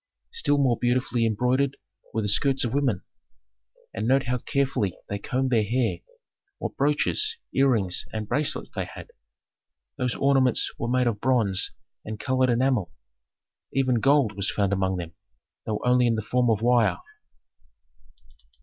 Still more beautifully embroidered were the skirts of women. And note how carefully they combed their hair, what brooches, earrings, and bracelets they had. Those ornaments were made of bronze and colored enamel; even gold was found among them, though only in the form of wire.